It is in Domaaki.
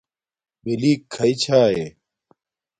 مِلیک کھݳئی چھݳئݺ؟